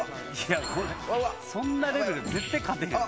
そんなレベル絶対勝てへん。